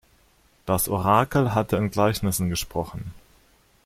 Das Orakel hatte in Gleichnissen gesprochen.